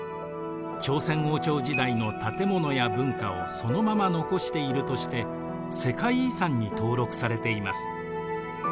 朝鮮王朝時代の建物や文化をそのまま残しているとして世界遺産に登録されています。